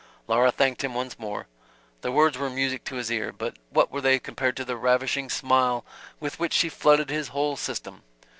Laura thanked him once more. The words were music to his ear; but what were they compared to the ravishing smile with which she flooded his whole system?